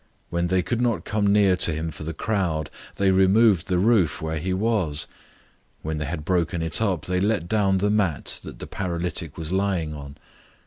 002:004 When they could not come near to him for the crowd, they removed the roof where he was. When they had broken it up, they let down the mat that the paralytic was lying on.